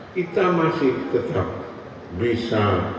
kita masih tetap bisa